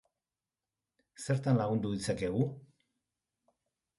Zertan lagundu ditzakegu?